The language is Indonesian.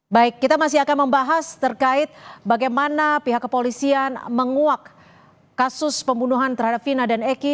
baik kita masih akan membahas terkait bagaimana pihak kepolisian menguak kasus pembunuhan terhadap vina dan eki